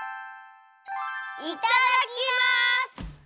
いただきます！